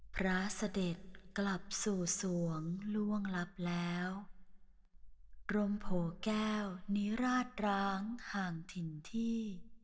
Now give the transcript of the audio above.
พระเสด็จกลับสู่สวงล่วงลับแล้วกรมโผแก้วนิราชร้างห่างถิ่นที่